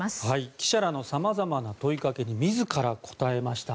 記者らのさまざまな問いかけに自ら答えました。